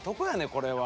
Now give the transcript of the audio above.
これは。